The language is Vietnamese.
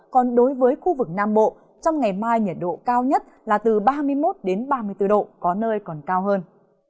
còn đối với khu vực nam bộ trong ngày mai nhiệt độ cao nhất là từ ba mươi một đến ba mươi bốn độ có nơi còn cao hơn